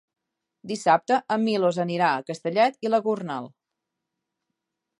Dissabte en Milos anirà a Castellet i la Gornal.